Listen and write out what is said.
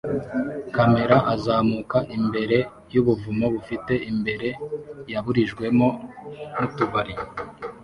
kamera azamuka imbere yubuvumo bufite imbere yaburijwemo n'utubari